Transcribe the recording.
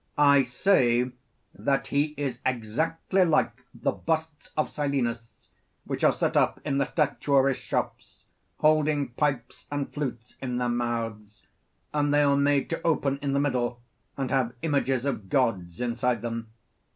I say, that he is exactly like the busts of Silenus, which are set up in the statuaries' shops, holding pipes and flutes in their mouths; and they are made to open in the middle, and have images of gods inside them.